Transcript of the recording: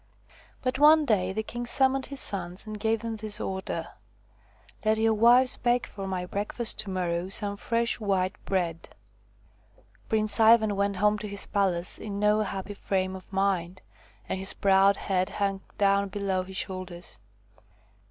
But one day the king summoned his sons and give them this order : "Let your wives bake for my breakfast to morrow some fresh white bread." Prince Ivan went home to his palace in no happy frame of mind, and his proud head hung down below his shoulders.